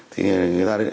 thì người ta